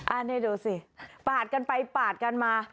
อันนี้ดูสิปาดกันไปปาดกันมา